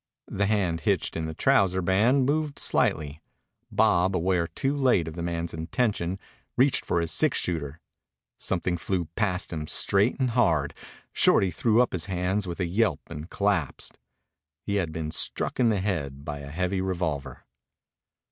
The hand hitched in the trouser band moved slightly. Bob, aware too late of the man's intention, reached for his six shooter. Something flew past him straight and hard. Shorty threw up his hands with a yelp and collapsed. He had been struck in the head by a heavy revolver.